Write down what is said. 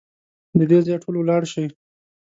له دې ځايه ټول ولاړ شئ!